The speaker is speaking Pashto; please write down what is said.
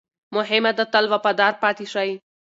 مهمه ده، تل وفادار پاتې شئ.